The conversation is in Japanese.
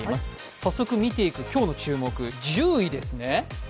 早速見ていく今日の注目、１０位ですね。